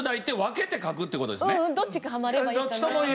ううんどっちかハマればいいかな。